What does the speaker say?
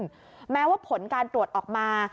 ตรวจได้มากขึ้นแม้ว่าผลการตรวจออกมา